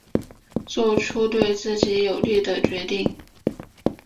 做出对自己有利的决定